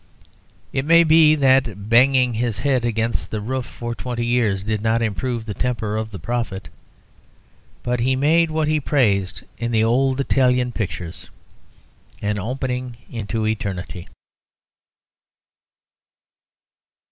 It may be that banging his head against that roof for twenty years did not improve the temper of the prophet. But he made what he praised in the old Italian pictures "an opening into eternity."